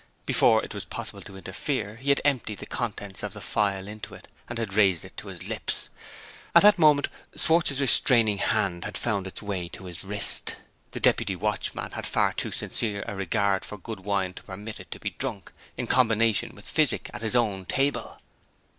Before it was possible to interfere, he had emptied the contents of the phial into it, and had raised it to his lips. At that moment, Schwartz's restraining hand found its way to his wrist. The deputy watchman had far too sincere a regard for good wine to permit it to be drunk, in combination with physic, at his own table.